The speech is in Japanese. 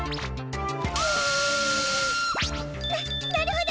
ななるほど。